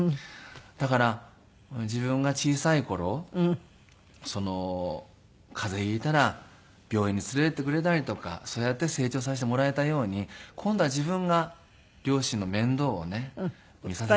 だから自分が小さい頃風邪引いたら病院に連れて行ってくれたりとかそうやって成長させてもらえたように今度は自分が両親の面倒をね見させて。